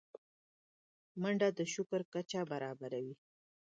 منډه د شکر کچه برابروي